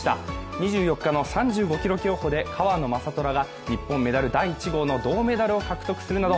２４日の３５ｋｍ競歩で川野将虎が日本メダル第１号の銅メダルを獲得するなど